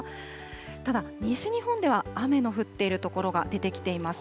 ただ西日本では雨の降っている所が出てきています。